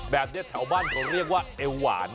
แถวบ้านเขาเรียกว่าเอวหวาน